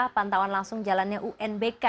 pantauan langsung jalannya unbk